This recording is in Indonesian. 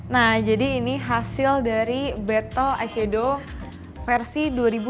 nah jadi ini hasil dari battle eye shadow versi dua ribu dua puluh dua